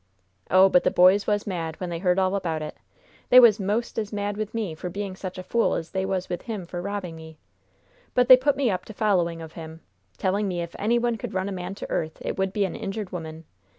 "Oh, but the boys was mad when they heard all about it! They was 'most as mad with me for being such a fool as they was with him for robbing me. But they put me up to following of him, telling me if any one could run a man to earth, it would be an injured woman.